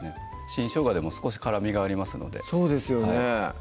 新しょうがでも少し辛みがありますのでそうですよね